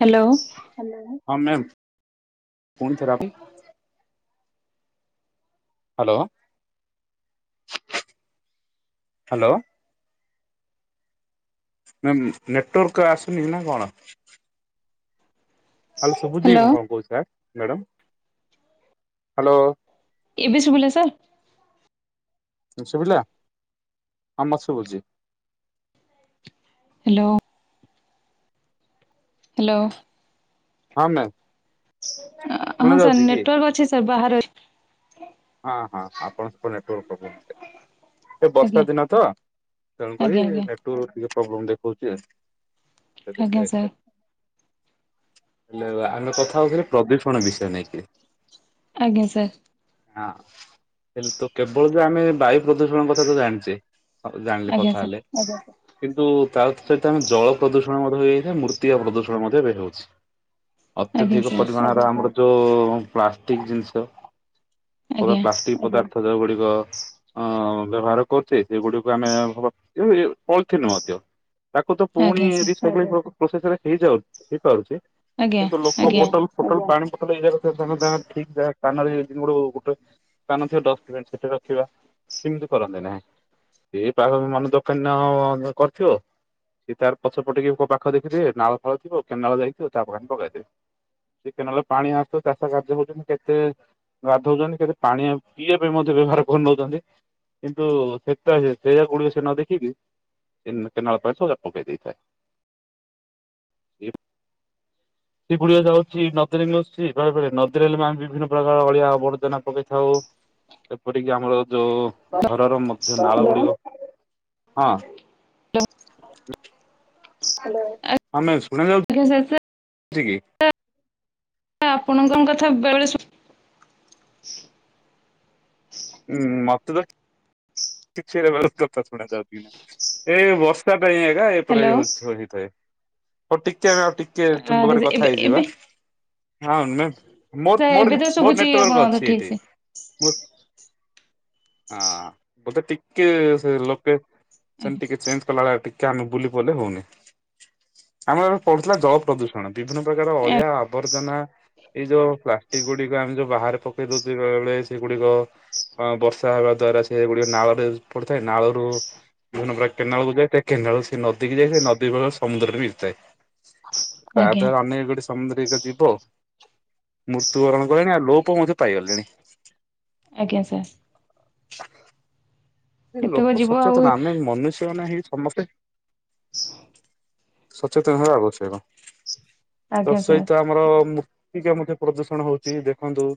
Hello hello ହଁ ma'am ପୁଣି ଥରେ ଆପଣ ହ୍ୟାଲୋ ହ୍ୟାଲୋ ନେଟୱାର୍କ ଆସୁନି ନା କଣ? ହାଲୋ ଶୁଭୁଜୀ ହ୍ୟାଲୋ ମୁଁକଣ କହୁଛି ସାର୍ ମ୍ୟାଡ଼ମ୍ ହାଲୋ। ଏବେ ସୁବିଲା ସାର୍। ଶୁଭିଲା ହଁ ମୋତେ ଶୁଭୁଛି। ହ୍ୟାଲୋ ହ୍ୟାଲୋ ହଁ ମ୍ୟାମ୍ ଶୁଣା ହଁ ସାର୍ ଯାଉଛି କି? ନେଟୱାର୍କ ଅଛି ସାର୍ ବାହାରେ ଅ ହଁ ହଁ ଆପଣ ସ ନେଟୱର୍କ ପ୍ରୋବ୍ଲେମ୍ ଏ ବର୍ଷା ଆଜ୍ଞା ଦିନ ତ ତେଣୁକରି ଆଜ୍ଞା ଆଜ୍ଞା ନେଟରୁ ଟିକେ ପ୍ରବ୍ଲେମ ଦେଖଉଛି ଆଉ ଆଜ୍ଞା ସାର୍ ଦେଖ। ହେଲେ ଆମେ କଥା ହଉଥିଲେ ପ୍ରଦୂଷଣ ବିଷୟ ନେଇକି ଆଜ୍ଞା ସାର୍ ହଁ ହେଲେ ତ କେବଳ ଯେ ଆମେ ବାୟୁ ପ୍ରଦୂଷଣ କଥା ତ ଜାଣିଛେ। ଜାଣିଲେ ଆଜ୍ଞା କଥା ସାର୍ ହେଲେ। କିନ୍ତୁ ତା ସହିତ ଆମେ ଜଳ ପ୍ରଦୂଷଣ ମଧ୍ୟ ହେଇଯାଇଥାଏ ମୂତ୍ତିକା ପ୍ରଦୂଷଣ ମଧ୍ୟ ଏବେ ହଉଛି। ଆଜ୍ଞା ଅତ୍ୟଧିକ ସାର୍ ପରିମାଣର ଆମର ଯୋଉ ପ୍ଲାଷ୍ଟିକ ଜିନିଷ ଆଜ୍ଞା ପ୍ଲାଷ୍ଟିକ ପଦାର୍ଥ ଯଉଗୁଡିକ। ଅ ବ୍ୟବହାର କରୁଛେ ସେଗୁଡିକୁ ଆମେ ପଳିଥିନ୍ ମଧ୍ୟ ତାକୁ ତ ପୁଣି ଆଜ୍ଞା ସାର୍ ରିସାଇକଲିଙ୍ଗ ପ୍ରୋସେସରେ ହେଇଯାଉ ହେଇପାରୁଛି ଆଜ୍ଞା କିନ୍ତୁ ଲୋକ ଆଜ୍ଞା ବୋଟଲ ଟୋଟାଲ ପାଣି [unintelligible] ସ୍ଥାନ ରେ ମୋର ସ୍ଥାନ ଥିବା ଡଷ୍ଟବିନ୍ ସେଠି ରଖିବା ସେମିତି କରନ୍ତି ନାଇଁ ପା ମନ ଦୋକାନ କରିଥିବ [unintelligible] ସେ ତାର ପଛ ପଟେଇକି ମୋ ପାଖ ଦେଖିଥିବେ ନାଳ ଫାଳଥିବ କେନାଳ ଯାଇଥିବ ତା ପାଖ ପକେଇଦେବେ। ଟିକେ ନହେଲେ ପାଣି ଆସୁ ଚାଷ କାର୍ଯ୍ୟ ହଉଛନ୍ତି କେତେ ଗାଧଉଛନ୍ତି। କେତେ ପାଣି [unintelligible] ପିଇବା ପାଇଁ ମଧ୍ୟ ବ୍ୟବହାର କରିନଉଛନ୍ତି କିନ୍ତୁ ସେଟ ସେ ଯା କରୋଡିବେ ସେ ନ ଦେଖିକି କେନାଳ ପାଇଁ ସ ହଜାର [unintelligible] ଦେଇଥାଏ ସେଗୁଡିଆ ଯାଉଛି ନଦୀରେ ମିଶୁଛି ନଦୀରେ ହେଲେ ଆମେ ବିଭିନ୍ନ ପ୍ରକାର ଅଳିଆ ଆବର୍ଜନା ପକେଇଥାଉ ଏପରିକି ଆମର ଯୋଉ ଘରର ମଧ୍ୟ ନାଳ ଗୁଡିକ ହଁ ହଲୋ ହେଲୋ। [unintelligible] ଚି କି ସାର୍ ଆପଣଙ୍କ କଥା ବେଳେ ଶୁ ଉଁ, ମୋତେ ତ କିଛି [inaudible] କଥା ଶୁଣା ଯାଉଚି ନା। ଏ ବସ ତା ପାଇଁ ଏକା ଏପଟେ ହ୍ୟାଲୋ ଏ ହଉ ଛେରି ଥାଏ। ଓ ଟିକେ ନା ଟିକ କେ ତୁମ ଆଜ୍ଞା ପାଖରେ କଥା ଏବେ ଏବେ ହେଇଯିବା। ହଁ ମେ- ସାର୍ ମୋରତ ମୋର ଏବେ ନେ- ତ ମୋର ଶୁଭୁଛି ଆପଣଙ୍କ ନେଟୱାର୍କ କଥା ଅଛି ଠିକ ଏଠି। ସେ ମୋ ହଁ ବୋଧେ ଟିକେ ସେ ଲୋକେସନ୍ ଆଜ୍ଞା ଟିକେ ଚେଞ୍ଜ କଲାବେଳେ ଟି କେ ଆମେ ବୁଲି ପଇଲେ ହଉନି। ଆମର ଏବେ ପଡିଥିଲା ଜଳ ପ୍ରଦୂଷ ଷଣ ବିଭିନ୍ନ ପ୍ରକାର ଅଳିଆ ଆବର୍ଜନା ଏଇ ଯୋଉ ପ୍ଲାଷ୍ଟିକ୍ ଗୁଡିକ ଆମେ ଯୋଉ ବାହାରେ ପକେଇ ଦଉଚେ ବେଳେବେଳେ ସେଗୁଡିକ ଅଁ, ବର୍ଷା ହେବା ଦ୍ଵାରା ସେ ଗୁଡିକ ନାଳ ରେ ପଡିଥାଏ। ନାଳରୁ ବିଭିନ୍ନ ପ୍ରକାର କେନାଳ କୁ ଯଇଥାଏ। କେନାଳ ରୁ ସେ ନଦୀ କି ଯାଇଥାଏ। ନଦୀ ଜଳ ସମୁଦ୍ରରେ ମିଶିଥାଏ। ତା ଆଜ୍ଞା ଦ୍ଵାରା ଆମେ ଗୋଟେ ସ ସମୁନ୍ଦ୍ରିକ ଜୀବ ମୃତ୍ୟୁବରଣ କଲେଣି, ଆଉ ଲୋପ ମଧ୍ୟ ପାଇଗଲେଣି। ଆଜ୍ଞା ସାର୍। ଏ କେତେକ ଲୋକ ଯିବ ଆଉ ସଚେତନ ଆମେ ମନୁଷ୍ୟ ମାନେ ହି ସମସ୍ତେ ସ ସଚେତନ ହବା ଆବଶ୍ୟକ, ତ ଆଜ୍ଞା ସାର୍ ସେଇଟା ଆମର ମୁୂର୍ତ୍ତିକା ମଧ୍ୟ ପ୍ରଦୂଷଣ ହଉଚି ଦେଖନ୍ତୁ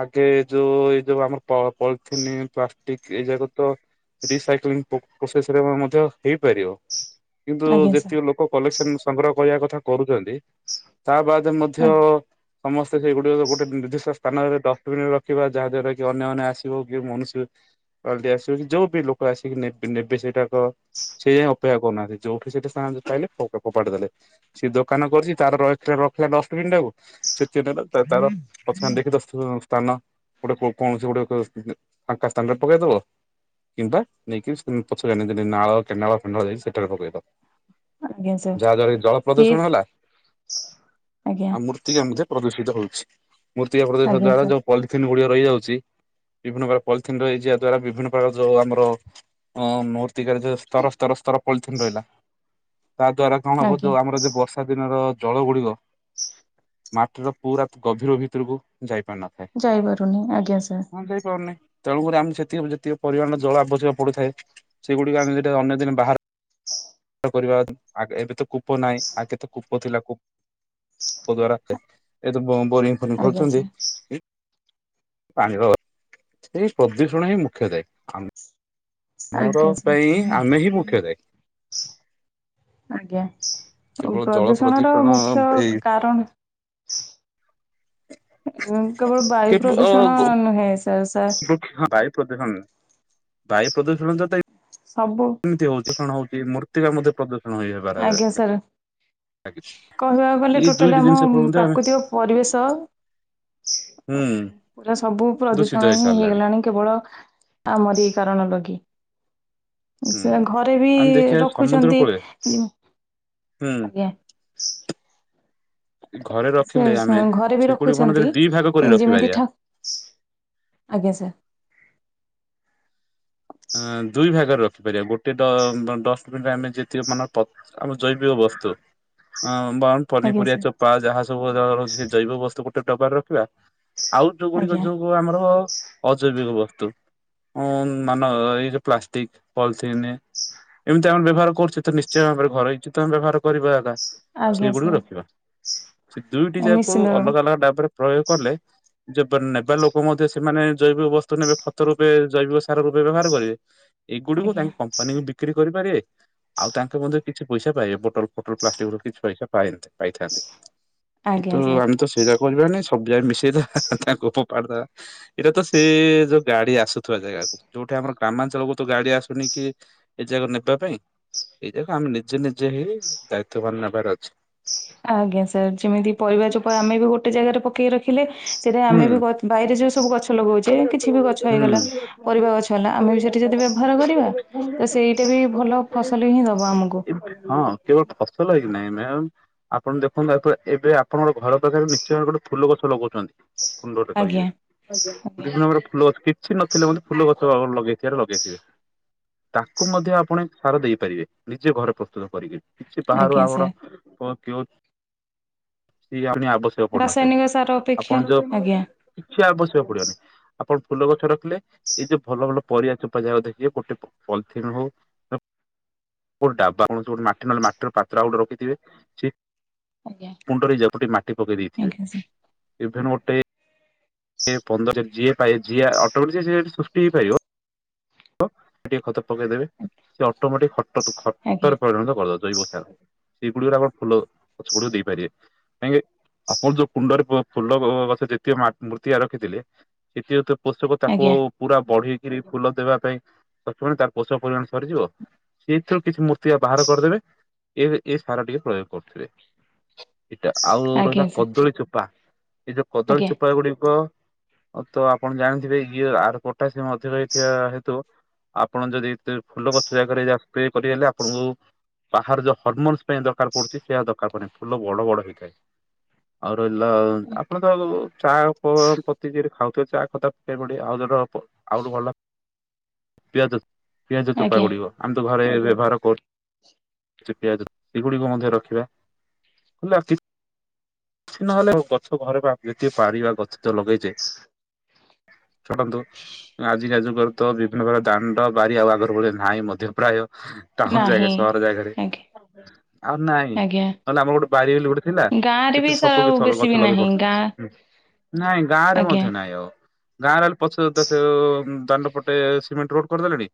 ଆଗେ ଯୋଉ ଏଇ ଯୋଉ ଆମର ପଳ ପଲଥିନି, ପ୍ଲାଷ୍ଟିକ୍ ଏଇ ଯାକ ତ ରିସାଇକ୍ଲୋନିକ୍ ପୋ-ପ୍ରୋସେସ୍ ରେ ମ-ମଧ୍ୟ ହେଇପାରିବ। କିନ୍ତୁ ଆଜ୍ଞା ସାର୍ ଯେତିକ ଲୋ କ କଲେକ୍ସନ୍ ସଂଗ୍ରହ କରିବା କଥା କରୁଚନ୍ତି। ତା ବାଦ ମଧ୍ୟ ସମସ୍ତେ ସେଇଗୁଡିକ ଗୋଟେ ନିର୍ଦ୍ଧିଷ୍ଟ ସ୍ଥାନରେ ଡଷ୍ଟବିନ୍ ରେ ରଖିବା, ଯାହା ଦ୍ଵାରା କି ଅନ୍ୟମାନେ ଆସିବ କି ମନୁଷ୍ୟ ଅଲ୍ଡି ଆସିବକି ଯୋଉ ବି ଲୋକ ଆସିକି ନେ- ନେବେ ସେଇଟାକ ସେଇ ଯାଏଁ ଅପେକ୍ଷା କରୁନାହାନ୍ତି। ଯୋଉଠି ସେଠି [unintelligible] ଯୋଉ ପାଇଲେ ଫୋ ଫୋପାଡି ଦେଲେ। ସିଏ ଦୋକାନ କରିଚି, ତାର ରଖ ରଖିଲା ଡଷ୍ଟପିନ ଟାକୁ ସେଠି ନେଲା ତ ତାର ପ୍ରଥମ ଦେଖି ଦସ୍ଥୁ ସ୍ଥାନ ଗୋଟେ କୋ- କୌଣସି ଗୋଟେ କେ-ଉଁ, ଏ ଫାଙ୍କା ସ୍ଥାନ ରେ ପକେଇଦବ। କିମ୍ବା ନେଇକି ଉଁ, ପଛରେ [unintelligible] ନାଳ କେନାଳ ଫେନାଳ ଯାଇଚି ସେଠାରେ ପକେଇବ। ଆଜ୍ଞା ସାର୍ ଯାହା ଦ୍ଵାରା କି ଜଳ କିଏ ପ୍ରଦୂଷଣ ହେଲା। ଆଜ୍ଞା ଆ, ମୃ ର୍ତ୍ତିକା ମଧ୍ୟ ପ୍ରଦୂଷିତ ହଉଛି। ମୃତ୍ତିକା ପ୍ରଦୂଷିତ ଆଜ୍ଞା ଦ୍ଵାରା ସାର୍ ଯୋଉ ପଲି ଥିନ୍ ଗୁଡିକ ରହିଯାଉଛି, ବିଭିନ୍ନ ପ୍ରକାର ପଲଥିନ୍ ରହିଯିବା ଦ୍ଵାରା ବିଭିନ୍ନ ତାର ଯୋଉ ଆମର ଅ, ମୂର୍ତ୍ତିକା ରେ ଯୋଉ ସ୍ତର ସ୍ତର ସ୍ତର ପଲଥିନ୍ ରହିଲା, ତା ଦ୍ଵାରା କଣ ହବ ଆଜ୍ଞା ଯୋଉ ଆମର ଯେ ବର୍ଷ ଷା ଦିନର ଜଳ ଗୁଡିକ ମାଟିର ପୁରା ଗଭୀର ଭିତରକୁ ଯାଇ ପାରିନଥାଏ। ଯାଇପାରୁନି ଆଜ୍ଞା ସାର୍। ବନ୍ଧ ହେଇ ପାରୁନି। ତେଣୁକରି ଆମେ ସେତିକ ଯେତିକ ପରିମାଣର ଜଳ ଆବଶ୍ୟକ ପଡୁଥାଏ। ସେଗୁଡିକ ଆମେ ଯଦି ଅନ୍ୟ ଦିନ ବାହାର ର କରିବା ପାଇଁ, ଆଗେ ଏବେ ତ କୂପ ନାଇଁ ଆଗେ ତ କୂପ ଥିଲା କୂ ପ ଦ୍ବାରା ଆସେ ଏ ଯୋଉ ବ-ବୋରିଙ୍ଗ [unintelligible] ଆଜ୍ଞା ଖୋଳୁଛନ୍ତି ସାର୍ ଉଁ, ପାଣିର ସେଇ ପ୍ରଦୂଷଣ ହିଁ ମୁଖ୍ୟ ଦାୟୀ। ଆମେ, ନର ଆଜ୍ଞା ସାର୍ ପାଇଁ ଆମେ ହିଁ ମୁଖ୍ୟ ଦାୟୀ। ଆଜ୍ଞା। କେବଳ ଜଳ ପ୍ରଦୂଷଣର ପ୍ରଦୂଷଣ ମୁଖ୍ୟ ଏଇ କାରଣ କେବଳ ବାୟୁ ପ୍ରଦୂଷଣ ନୁହେଁ ସାର୍ ସାର୍ ହଁ ବାୟୁ ପ୍ରଦୂଷଣ ବାୟୁ ପ୍ରଦୂଷଣ ତ ସବୁ ଏମିତି ପ୍ରଦୂଷଣ ହଉଚି ମୂର୍ତ୍ତିକା ମଧ୍ୟ ପ୍ରଦୂଷଣା ହେଇ ଆଜ୍ଞା କରାଯାଏ। ସାର୍ ଲାଗିଛି। କହିବାକୁ ଗଲେ ଏଇ ଟୋଟାଲି ଦୁଇଟି ଆମ ଜିନିଷ [unintelligible] ଆମେ ପ୍ରାକୃତିକ ପରିବେଶ ହୁଁ। ପୁରା ସବୁ ଦୂଷିତ ପ୍ରଦୂଷଣ ହିଁ ହେଇସାରିଲାଣି ହେଇଗଲାଣି କେବଳ ଆମର ଏଇ କାରଣ ଲାଗି। ହୁଁ। ସେୟା ଘରେ ବି ଆମେ ଦେଖିବା ସମୁଦ୍ର ରଖୁଛନ୍ତି କୂଳେ ହୁଁ ଆଜ୍ଞା ଘରେ ରଖିଲେ ସେ ଆମେ ଘରେ ବି ସିକୁଡି ରଖୁଛନ୍ତି ମନରେ ଦି ଭାଗ କରି ଯେମିତି ରଖିିପାରିବା। ଠା ଆଜ୍ଞା ସାର୍। ଅ ଦୁଇ ଭାଗରେ ରଖିପାରିବା। ଗୋଟେ ଡ ଡଷ୍ଟବିନ ରେ ଆମେ ଯେତିକି ମାନ ପ୍ର ଆମ ଜୈବିକ ବସ୍ତୁ ଆ ବାଁ ଆଜ୍ଞା ପନିପରିବା ସାର୍ ଚୋପା ଯାହା ସବୁ ସେ ଜୈବ ବସ୍ତୁ ଗୋଟେ ଡବାରେ ରଖିବା ଆଉ ଯୋଉ ଗୁଡିକ ଆଜ୍ଞା ଯୋଉ ଆମର ଅଜୈବିକ ବସ୍ତୁ ଉଁ ମାନ ଏଇ ଯେ ପ୍ଲାଷ୍ଟିକ ପଲିଥିନ୍। ଏମିତି ଆମର ବ୍ୟବହାର କରୁଛ ତ ନିଶ୍ଚୟ ଭାବରେ ଘରେ ହେଇଛି ତମେ ବ୍ୟବହାର କରିବା ହେଲା। ଆଜ୍ଞା ସେଗୁଡିକ ସାର୍ ରଖିବା ସେ ଦୁଇଟି ଯାକ ନିଶ୍ଚିନ୍ତ ଅଲଗା ଅଲଗା ଡାବ ରେ ପ୍ରୟୋଗ କଲେ ଯେ ନେବା ଲୋକ ମଧ୍ୟ ସେମାନେ ଜୈବିକ ବସ୍ତୁ ନେବେ ଖତ ରୂପେ ଜୈବିକ ରେ ବ୍ୟବହାର କରିବେ ଏଇଗୁଡିକୁ ଆଜ୍ଞା ତାଙ୍କ କମ୍ପାନୀକୁ ବିକ୍ରି କରିପାରିବେ ଆଉ ତାଙ୍କ ମଧ୍ୟ କିଛି ପଇସା ପାଇବେ ବୋଟଲ ଫୋଟଲ ପ୍ଲାଷ୍ଟିକ ର କିଛି ପଇସା ପାଇଥାନ୍ତି। କି ତୁ ଆଜ୍ଞା ସାର୍ ଆମେ ତ ସେଇ ଯା କରିବାନି ସବ ଜାଗ ମିଶେଇଦବା ତାକୁ ଫୋପାଡ଼ି ଦେବୁ। ଏଇରା ତ ସେ ଯୋଉ ଗାଡି ଆସୁଥିବା ଜାଗାକୁ। ଯୋଉଠି ଆମର ଗ୍ରାମାଞ୍ଚଳ କ ତୁ ଗାଡି ଆସୁନି କିଏ ଯାକ ନେବା ପାଇଁ। ଏଇ ଯାକ ଆମେ ନିଜେ ନିଜେ ହେଇ ଦାୟିତ୍ୱବାନ ନେବାର ଅଛି। ଆଜ୍ଞା ସାର୍ ଯେମିତି ପରିବା ଚୋପା ଆମେ ବି ଗୋଟେ ଜାଗାରେ ପକେଇ ରଖି ଦେଖିଲେ ସେଇଟା ହୁଁ ଆମେ ହୁଁ। ବି ବାଇରେ ଯୋଉ ସବୁ ଗଛ ଲଗଉଛେ କିଛି ବି ଗଛ ହେଇଗଲା। ପରିବା ଗଛ ହେଲା ଆମେ ବି ସେଇଠି ଯଦି ବ୍ୟବହାର କରିବା ତ ସେଇଟା ବି ଭଲ ଫସଲ ହିଁ ଦବା ଆମକୁ। ଏମିତି ହଁ କେବଳ ଫସଲ ହେଇକି ନାହିଁ ନା ଆପଣ ଦେଖନ୍ତୁ ଏ ଏବେ ଆପଣଙ୍କ ଘର ପାଖରେ ନିଶ୍ଚୟ ଗୋଟେ ଫୁଲ ଗଛ ଲଗଉଛନ୍ତି। କୁଣ୍ଡଟେ ଆଜ୍ଞା ଆଜ୍ଞା ବିଭିନ୍ନ ପ୍ରକାର ଫୁଲ ଗଛ କିଛି ନଥିଲେ ମଧ୍ୟ ଫୁଲ ଗଛ ଲଗେଇଥିବ ଲଗେଇଥିବେ। ତାକୁ ମଧ୍ୟ ଆପଣ ସାର ଦେଇପାରିବେ ନିଜେ ଘରେ ପ୍ରସ୍ତୁତ କରିକିରି। କିଛି ବାହାରୁ ଆଜ୍ଞା ଆପଣ ସାର୍ କି ସଏ ଆ ଆବଶ୍ୟକ [unintelligible] ରାସାୟନିକ ସାର ଅପେକ୍ଷା ଆପଣ ଯୋ ଆଜ୍ଞା କିଛି ଆବଶ୍ୟକ ପଡିବନି। ଆପଣ ଫୁଲ ଗଛ ରଖିଲେ ଏଇ ଯୋଉ ଭଲ ଭଲ ପରିବା ଚୋପା ଜାହା ଦେଖିବେ ଗୋଟେ ପଲିଥିିନ ହଉ ଗୋଟେ ଡ଼ାବା ଗୋଟେ ମାଟି ନହେଲେ ମାଟିର ପାତ୍ର ଗୋଟେ ରଖିଥିବେ ସେ ଆଜ୍ଞା କୁଣ୍ଡରେ ଜପଟି ମାଟି ପକେଇ ଦେଇଥିବେ ଆଜ୍ଞା ସାର୍ ଏଭନ ଗୋଟେ ସେ ପନ୍ଦର ଯିଏ ଯିଏ ଅଟୋମେତିକି ସିଏ ସୃଷ୍ଟି ହେଇପାରିବ। ଟିକେ ଖତ ପକେଇଦେବେ ସେ ଅଟୋମେଟିକ ଖଟ ଖତ ଆଜ୍ଞା ରେ ପରିଣତ କରିଦବ ଜୈବ ସାର। ସେଇଗୁଡିକରେ ଆପଣ ଫୁଲ ଗଛ ଗୁଡିକ ଦେଇପାରିବେ କାହିଁକି ଆପଣ ଯୋଉ କୁଣ୍ଡରେ ଫୁଲ ଗଛ ଯେତିିକ ମୃର୍ତ୍ତିଆ ରଖିଥିଲେ ସେଥି ପୋଷକ ଚାପ ଆଜ୍ଞା ପୁରା ବଢେଇକିରି ଫୁଲ ଦେବା ପାଇଁ ପ୍ରଥମେ ତାର ପୋଷକ ପରିମାଣ ସରିଯିବ। ସେଇଥିରୁ କିଛି ମୂର୍ତିକା ବାହାର କରିଦେବେ ଏ ଏ ସାର ଟିକେ ପ୍ରୟୋଗ କରୁଥିବେ। ଏଇଟା ଆଉ ଆଜ୍ଞା ରହିଲା ସାର୍ କଦଳୀ ଚୋପା ଏଇ ଯୋଉ କଦଳୀ ଆଜ୍ଞା ଚୋପା ଗୁଡିକ ତ ଆପଣ ଜାଣିଥିବେ ଇଏ ଆର କୋଟା ସ ଅଧିକ ହେଇଥିବା ହେତୁ ଆପଣ ଯଦି ଫୁଲ ଗଛ ଜାଗାରେ ଯଦି ସ୍ପ୍ରେ କରିଦେଲେ ଆପଣଙ୍କୁ ବାହାରେ ଯୋଉ ହରମୋନ୍ସ ପାଇଁ ଦରକାର ପଡୁଛି ସିଏ ଦରକାର ପଡିବନି ଫୁଲ ବଡ ବଡ ହେଇଥାଏ। ଆଉ ରହିଲା ଆପଣ ତ ଚା ପତି ଯଦି ଖାଉଥିବେ ଚା ଖ ସେପ ଆଉ ତଟ ଆଉଠୁ ଭଲ ପିଆଜ ପିଆଜ ଚୋପା ଆଜ୍ଞା ଗୁଡିକ। ଆମେ ତ ଘରେ ଏୟା ବ୍ୟବହାର କରୁଛୁ। ପିଆଜ ସେଗୁଡିକୁ ମଧ୍ୟ ରଖିବା ହେଲେ କିଛି ନହେଲେ ଗଛ ଘରେ ବା ଯେତିକି ପାରିବା ଗଛ ତ ଲଗେଇଛେଏ। ଛାଡନ୍ତୁ ଆଜିକା ଯୁଗରେ ତ ବିଭିନ୍ନ ପ୍ରକାର ଦାଣ୍ଡ ବାରି ଆଉ ଆଗର ଭଳି ନାହିଁ ମଧ୍ୟ ପ୍ରାୟ ଟାଉନ ନାହିଁ ଜାଗା ସହର ଜାଗାରେ ଆଜ୍ଞା ଆଉ ନାଇଁ ଆଜ୍ଞା ନହେଲେ ଆମର ଗୋଟେ ବାରି ବୋଲି ଗୋଟେ ଥିଲା। ଗାଁରେ ବି ସେଥିରେ ସାର୍ ସବୁ ଆଉ କିଛି ବେଶୀ ବି ଗଛ ଲଗେଇ ନାହିଁ ଗାଁ ପାରୁଥିଲୁ। ନାଇଁ ଗାଁ ରେ ଆଜ୍ଞା ମଧ୍ୟ ନାଇଁ ଆଉ ଗାଁରେ ପଛୁ ତ ସେ ଦାଣ୍ଡ ପଟ ପଟେ ସିମେଣ୍ଟ ରୋଡ କରିଦେଲେଣି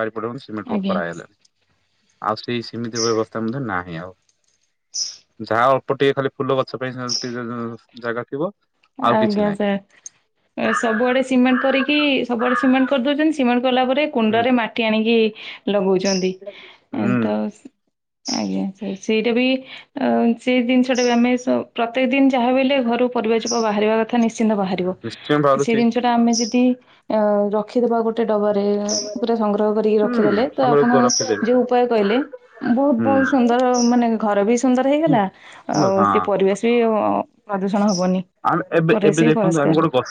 ବାରିପଟେ ସିମେଣ୍ଟ ରୋଡ ଆଜ୍ଞା କରାହେଲାଣି ଆଉ ସେଇ ସେମିତି ବ୍ୟବସ୍ଥା ମଧ୍ୟ ନାହିଁ ଆଉ ଯାହା ଅଳ୍ପ ଟିକେ ଖାଲି ଫୁଲ ଗଛ ପାଇଁ [unintelligible] ଜାଗା ଥିବ? ଆଉ କିଛି ଆଜ୍ଞା ନାହିଁ ସାର୍। ସବୁଆଡେ ସିମେଣ୍ଟ କରିକି ସବୁଆଡେ ସିମେଣ୍ଟ କରିଦଉଛନ୍ତି ସିମେଣ୍ଟ କଲା ପରେ ହୁଁ। କୁଣ୍ଡରେ ମାଟି ଆଣିକି ଲଗଉଛନ୍ତି ହୁଁ ତ ଆଜ୍ଞା ସେଇଟା ବି ସେଇ ଜିନିଷଟା ବି ଆମେ ପ୍ରତ୍ୟେକ ଦିନ ଯାହା ବିହେଲେ ଘରୁ ପରିବା ବାହାରିବା କଥା ନିଶ୍ଚିନ୍ତ ବାହାରିବ ନିଶ୍ଚୟ ସେଇ ବାହାରୁଛି ଜିନିଷଟା ଆମେ ଯଦି ଅ ରଖିଦବା ଗୋଟେ ଗୋଟେ ଡବାରେ ପୁରା ସଂଗ୍ରହ କରିକି ହୁଁ ରଖିଦେଲେ ତ ସଂଗ୍ରହ କରି ଆପଣ ରଖିଦେବି ଯୋଉ ଉପାୟ କହିଲେ? ବହୁତ ହୁଁ। ବହୁତ ସୁନ୍ଦର ମାନେ ଘର ବି ସୁନ୍ଦର ହେଇଗଲା ସୁନ୍ଦର ଆଉ ହଁ ସେ ପରିବେଶ ବି ପ୍ରଦୂଷଣ ହବନି। ଆମେ ଏବେ ପରିବେଶ ଏବେ ବି ଦେଖନ୍ତୁ ଆମେ ପରିଷ୍କାର ଗୋଟେ ରହିବ। ଗ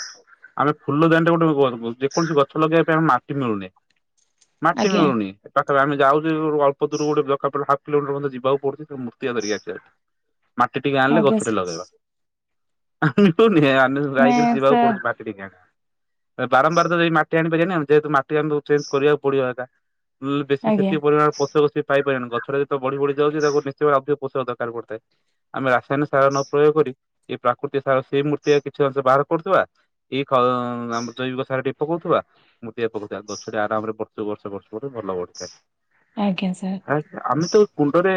ଆମେ ଫୁଲଦାନିଟା ଗୋଟେ ଯେକୌଣସି ଗଛ ଲଗେଇବା ପାଇଁ ଆମେ ମାଟି ମିଳୁନି। ମାଟି ଆଜ୍ଞା ମିଳୁନି ପାଖରେ ଆମେ ଯାଉଛେ ଅଳପ ଦୂର ଗୋଟେ ହା୍ପ କିଲୋମିଟର ମଧ୍ୟ ଯିବାକୁ ପଡୁଛି। ଆ ଧରିକି ଆ ମାଟି ଟିକେ ଆଣିଲେ ଆଜ୍ଞା ଗଛ ଟେ ଲଗେଇବା। ଆ ଯାଇକିରି ନାଇଁ ଯିବାକୁ ସାର୍ ପଡୁଛି ମାଟି ଟିକେ ଆଣିବା ବାରମ୍ବାର ତ ଯ ମାଟି ଆଣିବା ଯେହେତୁ ମାଟି ଆଣକୁ ଚେଞ୍ଜ କରିବାକୁ ପଡିବ ଏକା ବେସି ଆଜ୍ଞା ସେତିକି ପରିମାଣ ପୋଷକ ପାଇପାରିବନି ଗଛଟା ତ ବଢି ବଢି ଯାଉଛି ତାକୁ ନିଶ୍ଚୟ ଅ ପୋଷକ ଦରକାର ପଡିଥାଏ ଆମେ ରାସାୟନିକ ସାର ନ ପ୍ରୟୋଗ କରି ଏଇ ପ୍ରାକୃତିକ ସାର୍ ସେଇ ମୂର୍ତ୍ତି କିଛି ବାହାର କରୁଥିବା ଏଇ ଆମ ଖ ଜୈବିକ ସାର ଟିକେ ପକଉଥିବା। ମୃତ୍ତିକା ପକଉଥିବା ଗଛଟି ଆରାମରେ ବର୍ଷକୁ ବର୍ଷ ବର୍ଷ ଭଲ ବଢିଥାଏ। ଆଜ୍ଞା ସାର୍। ଆ ଆମେ ତ କୁଣ୍ଡରେ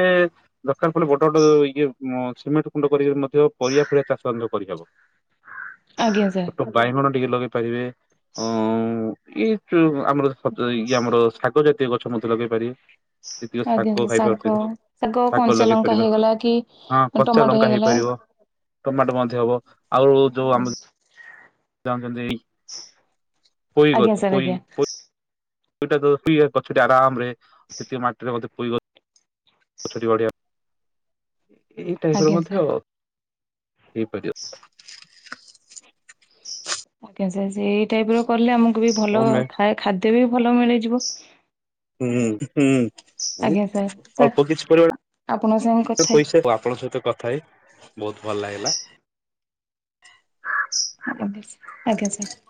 ଦରକାର ପଡିଲେ ବଡ ବଡ ଇଏ ସିମେଣ୍ଟ କୁଣ୍ଡ କରିକି ମଧ୍ୟ ପରିବା ଫରିଆ ଚାଷ ମଧ୍ଯ କରିହେବ। ଆଜ୍ଞା ସାର୍। ବାଇଗଣ ଟିକେ ଲଗେଇ ପାରିବେ? ଅ ଏଇ ଆମର ଖତ ଦେଇକି ଇଏ ଆମର ଶାଗ ଜାତୀୟ ଗଛ ମଧ୍ୟ ଲଗେଇ ପାରିବ। [unintelligible] ଯେତିକ ଆଜ୍ଞା ଶାଗ ସାର୍ ଖାଇପାରୁଛନ୍ତି ଶାଗ କଞ୍ଚା ଲଗେଇ ଲଙ୍କା ପାରିବା ହେଇଗଲା କି ହଁ କଚା ଟମାଟୋ ଲଙ୍କା ହେଇଗଲା ହେଇପାରିବ। ଟମାଟୋ ମଧ୍ୟ ହବ ଆଉ ଯୋଉ ଆମ [inaudible] ପଇ ଆଜ୍ଞା ଗଛ ସାର୍ ପଇ ଆଜ୍ଞା ପ ସେଇଟା କୁ ପି ଗଛଟି ଆରାମ ରେ ସେଥିରେ ମାଟିରେ ମଧ୍ୟ ପୋଇ ଗ ଛ ଟି ବଢିଆ ଏଇ ଟାଇପ୍ ଆଜ୍ଞା ମଧ୍ୟ ହେଇପାରିବ। ହ ଆଜ୍ଞା ସାର ସେଇ ଟାଇପ୍ ର କଲେ ଆମକୁ ବି ହଁ ଭଲ ମେ ଖା ଖାଦ୍ୟ ବି ଭଲ ମିଳିଯିବ। ହୁଁ ହୁଁ। ଆଜ୍ଞା ସାର୍ ସାର୍ ଅଳ୍ପ କିଛି ଆପଣଙ୍କ ସାଙ୍ଗେ ପରମାଣ କଥା ହେଇ ପଇସା ଆପଣଙ୍କ ସହିତ କଥା ହେଇ ବହୁତ ଭଲ ଲାଗିଲା। ଆଜ୍ଞା ଆଜ୍ଞା ସାର୍।